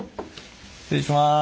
失礼します。